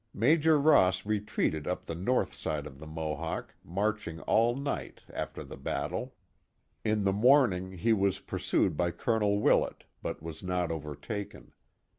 Major Ross retreated up the north side of the Mohawk, marching all night, after the battle. In the morning he was pursued by Colonel Willclt, but was not overtaken.